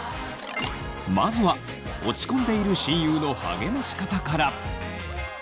まずは落ち込んでいる親友の励まし方から！